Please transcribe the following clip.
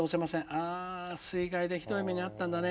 あ水害でひどい目に遭ったんだね。